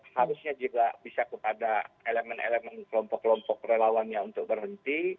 harusnya juga bisa kepada elemen elemen kelompok kelompok relawannya untuk berhenti